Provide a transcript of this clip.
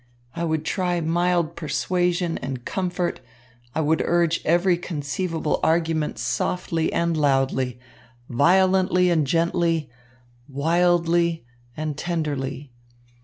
I would try mild persuasion and comfort, I would urge every conceivable argument softly and loudly, violently and gently, wildly and tenderly.